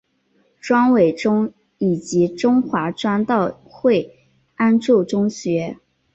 庄伟忠以及中华传道会安柱中学。